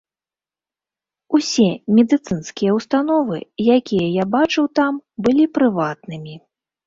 Усе медыцынскія ўстановы, якія я бачыў там, былі прыватнымі.